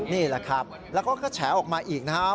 นี่แหละครับแล้วก็แฉออกมาอีกนะครับ